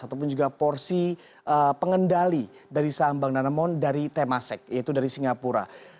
ataupun juga porsi pengendali dari saham bank danamon dari temasek yaitu dari singapura